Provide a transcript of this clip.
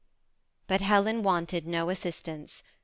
But Helen wanted no assistance.